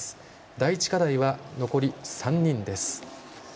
第１課題は残り３人です。